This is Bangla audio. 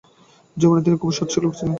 যৌবনে তিনি খুব সৎ লোক ছিলেন না।